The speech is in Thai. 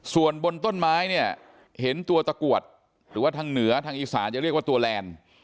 ส่วนบนต้นไม้เนี่ยเห็นตัวตะกรวดหรือว่าทางเหนือทางอีสานจะเรียกว่าตัวแลนด์